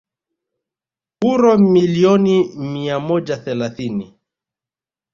uro milioni mia moja thelathini